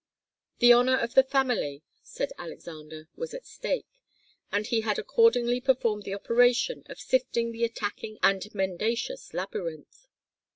The honour of the family, said Alexander, was at stake, and he had accordingly performed the operation of sifting the attacking and mendacious labyrinth.